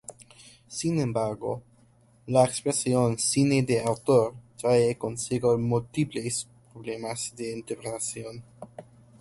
Sin embargo, la expresión "cine de autor" trae consigo múltiples problemas de interpretación.